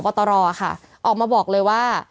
ตรค่ะออกมาบอกเลยว่า